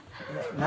何？